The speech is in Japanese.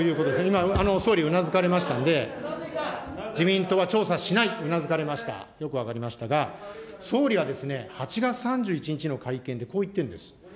今、総理、うなづかれましたので、自民党は調査しない、うなづかれました、よく分かりましたが、総理は８月３１日の会見でこう言ってるんです。